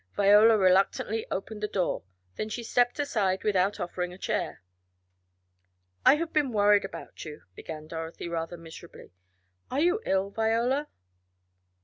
Viola reluctantly opened the door. Then she stepped aside without offering a chair. "I have been worried about you," began Dorothy, rather miserably. "Are you ill, Viola?"